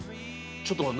ちょっと待って。